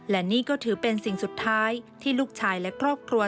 และนี่ก็ถือเป็นสิ่งสุดท้ายที่ลูกชายและครอบครัว